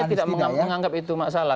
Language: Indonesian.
saya tidak menganggap itu masalah